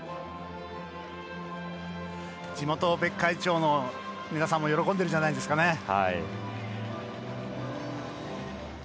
地元、別海町の皆さんも喜んでるんじゃないですかね。